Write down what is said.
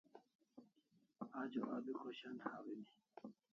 Ajo abi khoshan hawimi